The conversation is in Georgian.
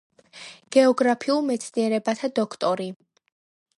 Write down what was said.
გეოგრაფიულ მეცნიერებათა დოქტორი.